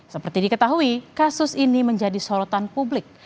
seperti diketahui kasus ini menjadi sorotan publik